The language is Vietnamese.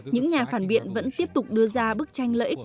những nhà phản biện vẫn tiếp tục đưa ra bức tranh lợi ích